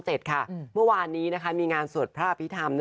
เมื่อวานนี้มีงานสวดพระอภิษฐรรม